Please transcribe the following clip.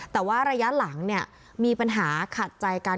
แต่ว่าระยะหลังมีปัญหาขัดใจกัน